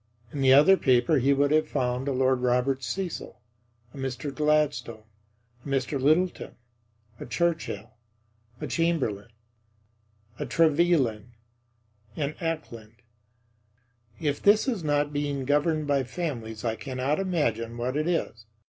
In the other paper he would find a Lord Robert Cecil, a Mr. Gladstone, a Mr. Lyttleton, a Churchill, a Chamberlain, a Trevelyan, an Acland. If this is not being governed by families I cannot imagine what it is.